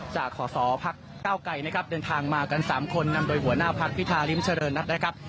จากขอสอภักดิ์เก้าไก่นะครับเดินทางมากัน๓คนนำโดยหัวหน้าภักดิ์พิธาริมเฉลินนะครับ